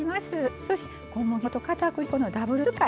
そして小麦粉とかたくり粉のダブル使い。